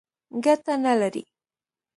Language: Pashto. ګټه نه لري.